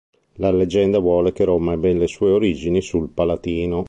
La leggenda vuole che Roma ebbe le sue origini sul Palatino.